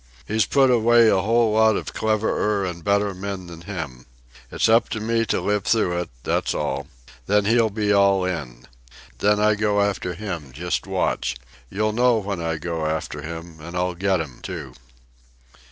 He's put away a whole lot of cleverer and better men than him. It's up to me to live through it, that's all. Then he'll be all in. Then I go after him, just watch. You'll know when I go after him, an' I'll get'm, too."